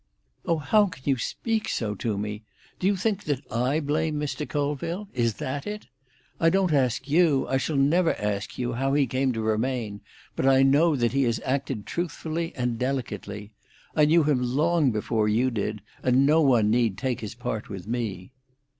"Oh, how can you speak so to me? Do you think that I blame Mr. Colville? Is that it? I don't ask you—I shall never ask you—how he came to remain, but I know that he has acted truthfully and delicately. I knew him long before you did, and no one need take his part with me."